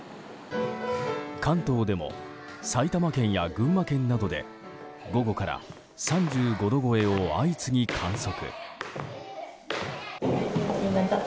関東でも埼玉県や群馬県などで午後から３５度超えを相次ぎ観測。